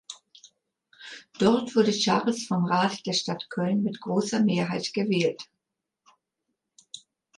Dort wurde Charles vom Rat der Stadt Köln mit großer Mehrheit gewählt.